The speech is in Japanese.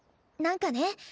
何かね